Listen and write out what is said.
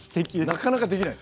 なかなかできない。